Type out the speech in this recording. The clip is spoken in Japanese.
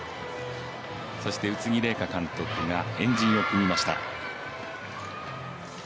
そして宇津木麗華監督が円陣を組みました。